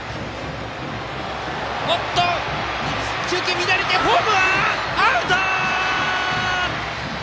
中継が乱れたがホームアウト！